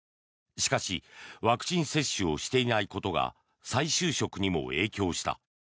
しかしワクチン接種をしていないことが再就職にも影響した。